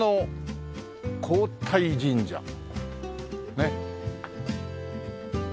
ねっ。